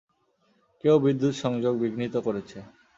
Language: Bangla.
কেউ বিদ্যুৎ সংযোগ বিঘ্নিত করেছে।